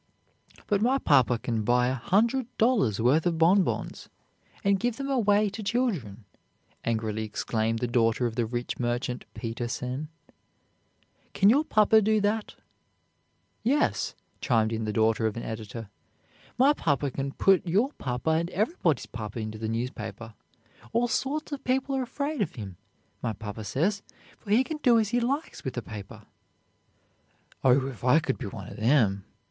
"But my papa can buy a hundred dollars' worth of bonbons, and give them away to children," angrily exclaimed the daughter of the rich merchant Peter_sen_. "Can your papa do that?" "Yes," chimed in the daughter of an editor, "my papa can put your papa and everybody's papa into the newspaper. All sorts of people are afraid of him, my papa says, for he can do as he likes with the paper." "Oh, if I could be one of them!"